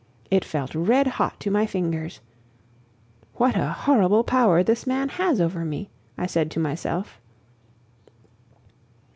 It felt redhot to my fingers. "What a horrible power this man has over me!" I said to myself.